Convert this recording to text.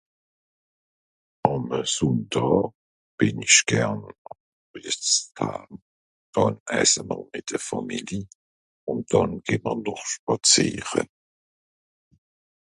Àme Sùndàà bìn ich gern... esse mr mìt de Fàmili. Ùn dànn geh'mr spàzìere.